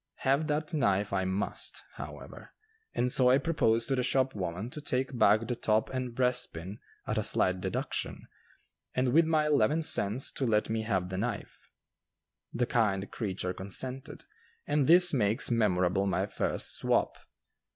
Have that knife I must, however, and so I proposed to the shop woman to take back the top and breastpin at a slight deduction, and with my eleven cents to let me have the knife. The kind creature consented, and this makes memorable my first "swap."